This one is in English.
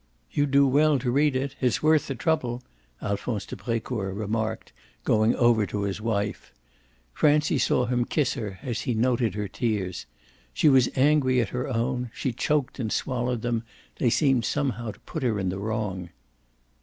"You'd do well to read it it's worth the trouble," Alphonse de Brecourt remarked, going over to his wife. Francie saw him kiss her as he noted her tears. She was angry at her own; she choked and swallowed them; they seemed somehow to put her in the wrong.